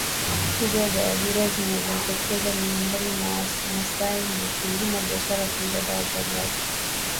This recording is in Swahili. Njia za ajira zinazojitokeza miongoni mwa Wamasai ni kilimo biashara kuuza dawa za jadi